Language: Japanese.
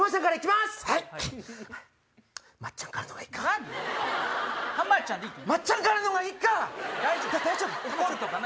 松ちゃんからのほうがいいか？